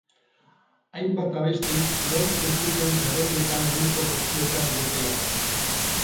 Hainbat abestik lortu zuten zerrendetan goiko postuetan egotea.